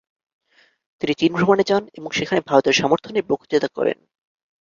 তিনি চীন ভ্রমণে যান এবং সেখানে ভারতের সমর্থনে বক্তৃতা করেন।